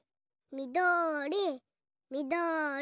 みどりみどり。